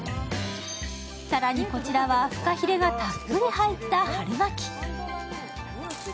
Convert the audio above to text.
更にこちらはフカヒレがたっぷり入った春巻。